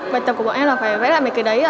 bài tập của bọn em là phải vẽ lại mấy cái đấy